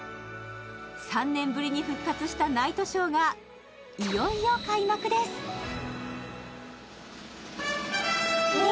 ３年ぶりに復活したナイトショーがいよいよ開幕ですいやうわ！